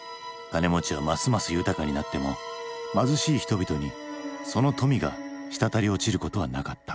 金持ちはますます豊かになっても貧しい人々にその富が滴り落ちることはなかった。